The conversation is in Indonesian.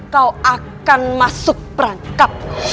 kau akan masuk perangkap